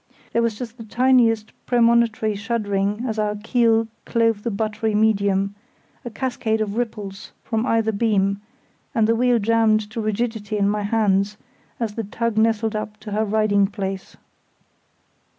There was just the tiniest premonitory shuddering as our keel clove the buttery medium, a cascade of ripples from either beam, and the wheel jammed to rigidity in my hands, as the tug nestled up to her resting place.